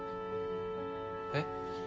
えっ？